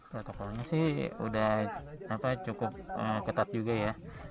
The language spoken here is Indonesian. protokolnya sih udah cukup ketat juga ya